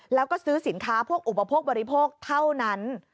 แล้วก็ซื้อสินค้าพวกอุปโภคบริโภคเท่านั้น